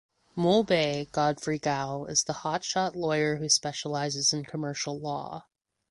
Mo Bei (Godfrey Gao) is the hotshot lawyer who specializes in commercial law.